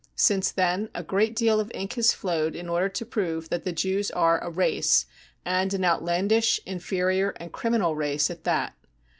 Since then a great deal of ink has flowed in order to prove that the Jews are a race, and an outlandish, inferior and criminal race at that.